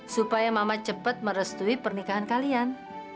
supaya mama cepat merestui pernikahan kalian